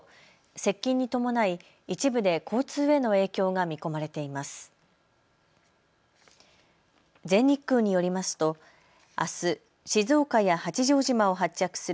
接近に伴い一部で交通への影響が見込まれています。